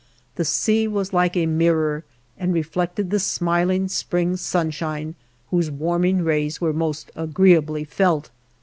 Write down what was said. The sea was like a mirror, and reflected the smiling spring sunshine whose warming rays were most agreeably felt.